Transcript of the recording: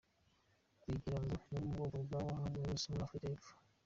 Wagira ngo ni uwo mu bwoko bwaba zoulous muri Africa yepfo.